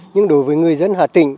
nhưng đối với người dân hà tịnh